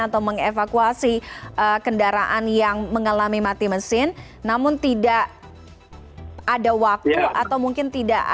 atau mengevakuasi kendaraan yang mengalami mati mesin namun tidak ada waktu atau mungkin tidak